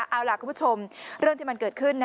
เอาล่ะคุณผู้ชมเรื่องที่มันเกิดขึ้น